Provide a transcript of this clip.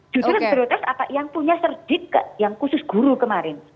justru prioritas apa yang punya serdik ke yang khusus guru kemarin